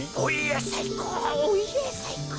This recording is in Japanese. おいえさいこう